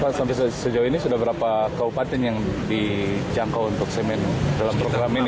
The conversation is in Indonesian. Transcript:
pak sampai sejauh ini sudah berapa kabupaten yang dijangkau untuk semen dalam program ini